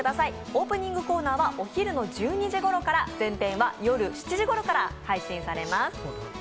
オープニングコーナーはお昼の１２時ごろから前編は夜７時ごろから配信されます